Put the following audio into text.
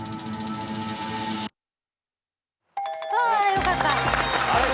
よかった。